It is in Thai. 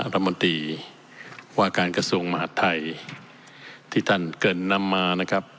รัฐมนตรีว่าการกระทรวงมหาดไทยที่ท่านเกิดนำมานะครับ